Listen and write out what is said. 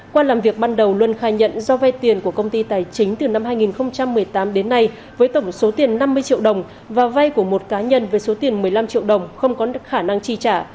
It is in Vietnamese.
qua làm việc ban đầu luân khai nhận do vay tiền của công ty tài chính từ năm hai nghìn một mươi tám đến nay với tổng số tiền năm mươi triệu đồng và vay của một cá nhân với số tiền một mươi năm triệu đồng không có khả năng chi trả